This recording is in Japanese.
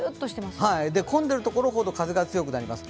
混んでるところほど風が強くなります。